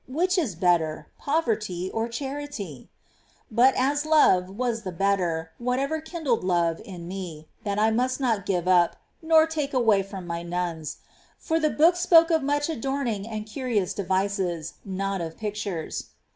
Whicl is better, poverty or charity ? But as love was the better, Avhatever kindled love in me, that I must not give up, nor take away from my nuns ; for the book spoke of much adorning and curious devices — not of pictures.